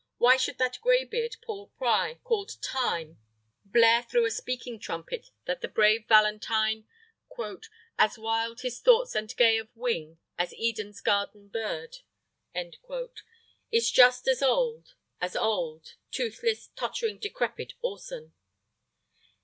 Why should that graybeard Paul Pry called Time blare through a speaking trumpet that the brave Valentine "As wild his thoughts and gay of wing As Eden's garden bird" is just as old as old, toothless, tottering, decrepit Orson?